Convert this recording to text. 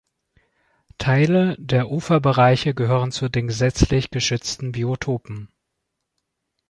Teile der Uferbereiche gehören zu den gesetzlich geschützten Biotopen.